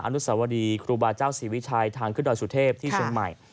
อนุสวรีครูบาเจ้าศรีวิชัยทางขึ้นดอยสุเทพที่เชียงใหม่